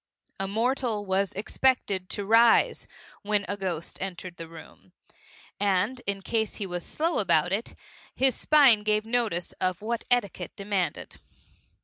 A mortal was expected to rise when a ghost entered the room, and in case he was slow about it, his spine gave notice of what etiquette demanded.